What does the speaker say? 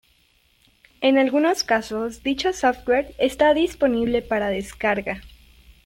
En algunos casos dicho software está disponible para descarga.